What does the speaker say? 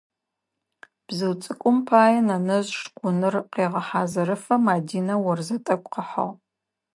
Бзыу цӏыкӏум пае нэнэжъ шкъуныр къегъэхьазырыфэ Мадинэ орзэ тӏэкӏу къыхьыгъ.